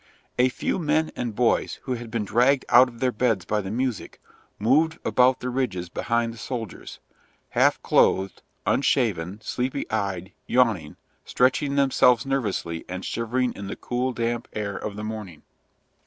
A few men and boys, who had been dragged out of their beds by the music, moved about the ridges behind the soldiers, half clothed, unshaven, sleepy eyed, yawning, stretching themselves nervously and shivering in the cool, damp air of the morning.